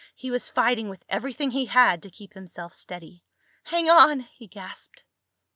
He was fighting with everything he had to keep himself steady. "Hang on!" he gasped.